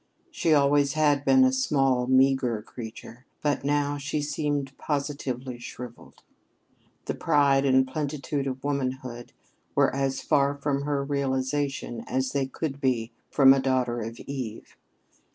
She always had been a small, meagre creature, but now she seemed positively shriveled. The pride and plenitude of womanhood were as far from her realization as they could be from a daughter of Eve.